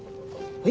はい。